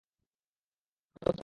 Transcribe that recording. তারা অত্যন্ত ক্লান্ত।